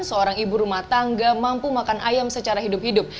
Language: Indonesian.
seorang ibu rumah tangga mampu makan ayam secara hidup hidup